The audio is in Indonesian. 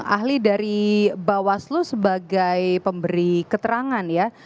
ahli dari bawaslu sebagai pemberi keterangan ya